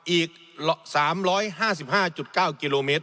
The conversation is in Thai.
อีก๓๕๕๙กิโลเมตร